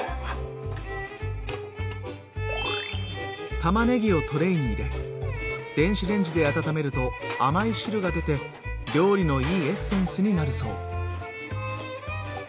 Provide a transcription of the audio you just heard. たまねぎをトレーに入れ電子レンジで温めると甘い汁が出て料理のいいエッセンスになるそう。